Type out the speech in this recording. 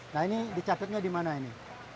nah ini dicatatnya dimana ini